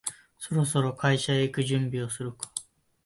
そろそろ会社へ行く準備をするか